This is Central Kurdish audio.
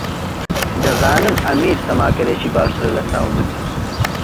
دەزانم ئەمیر سەماکەرێکی باشترە لەچاو من.